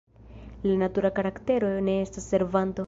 La natura karaktero ne estas servanto.